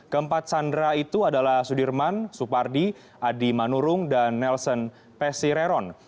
keempat sandera itu adalah sudirman supardi adi manurung dan nelson pesireron